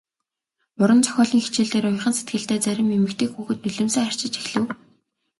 Уран зохиолын хичээл дээр уяхан сэтгэлтэй зарим эмэгтэй хүүхэд нулимсаа арчиж эхлэв.